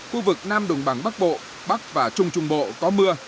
khu vực nam đồng bằng bắc bộ bắc và trung trung bộ có mưa